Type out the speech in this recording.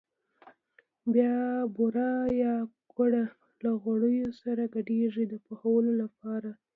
بیا بوره یا ګوړه له غوړیو سره ګډوي د پخولو لپاره.